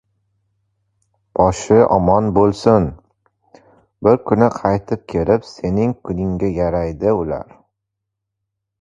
Boshi omon bo‘lsin. Bir kuni qaytib kelib, sening kuningga yaraydi, ular.